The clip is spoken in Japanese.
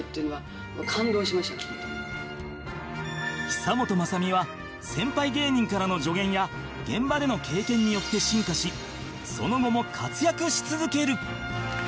久本雅美は先輩芸人からの助言や現場での経験によって進化しその後も活躍し続ける